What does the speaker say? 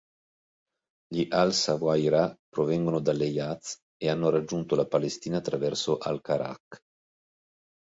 Gli al-Sawahirah provengono dall'Hejaz e hanno raggiunto la Palestina attraverso al-Karak.